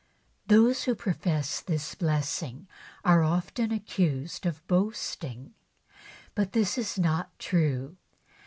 Those who profess this blessing are often accused of boasting. But this is not true.